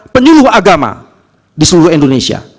penyuluh agama di seluruh indonesia